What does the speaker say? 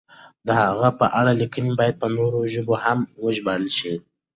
د هغه په اړه لیکنې باید په نورو ژبو هم وژباړل شي.